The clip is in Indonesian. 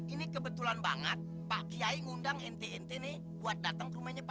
ini kebetulan banget pak kiai ngundang ente ente nih buat datang ke rumahnya papa